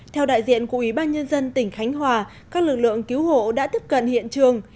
theo đại diện của ủy ban nhân dân tỉnh khánh hòa các lực lượng cứu hộ đã tiếp cận hiện trường